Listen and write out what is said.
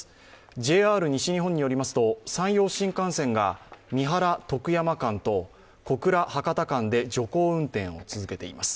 ＪＲ西日本によりますと山陽新幹線が三原−徳山間と小倉−博多間で徐行運転を続けています。